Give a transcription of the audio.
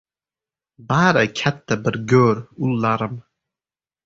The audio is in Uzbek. — Bari katta bir go‘r, ullarim.